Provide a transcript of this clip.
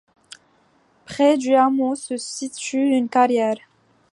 Près du hameau se situe une carrière.